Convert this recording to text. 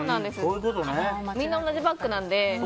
みんな同じバッグなので。